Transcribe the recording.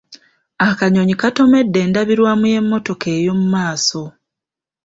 Akanyonyi katomedde endabirwamu y'emmotoka ey'omu maaso.